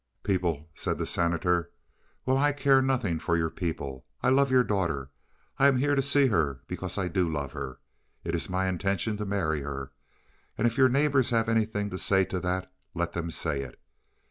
"People!" said the Senator. "Well, I care nothing for your people. I love your daughter, and I am here to see her because I do love her. It is my intention to marry her, and if your neighbors have anything to say to that, let them say it.